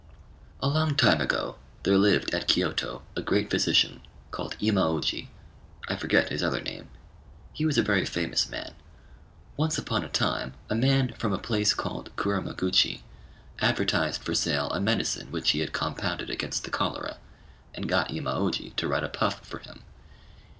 A long time ago, there lived at Kiôto a great physician, called Imaôji I forget his other name: he was a very famous man. Once upon a time, a man from a place called Kuramaguchi advertised for sale a medicine which he had compounded against the cholera, and got Imaôji to write a puff for him.